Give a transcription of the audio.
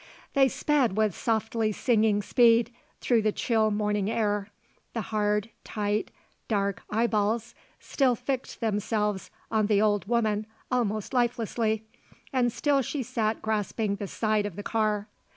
They sped, with softly singing speed, through the chill morning air. The hard, tight, dark eyeballs still fixed themselves on the old woman almost lifelessly, and still she sat grasping the side of the car.